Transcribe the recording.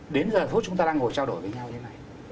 đến giờ phút chúng ta đang ngồi trao đổi với nhau như thế này